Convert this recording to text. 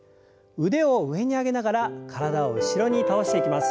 腕を上に上げながら体を後ろに倒していきます。